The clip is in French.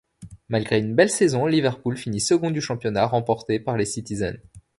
Malgré une belle saison, Liverpool finit second du championnat, remporté par les citizens.